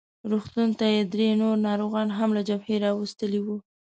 روغتون ته یې درې نور ناروغان هم له جبهې راوستلي وو.